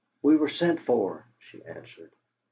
"We were sent for," she answered.